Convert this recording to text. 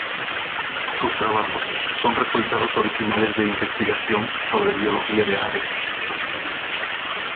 Sus trabajos son resultados originales de investigación sobre biología de aves.